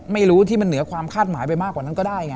ไม่รู้ที่มันเหนือความคาดหมายไปมากกว่านั้นก็ได้ไง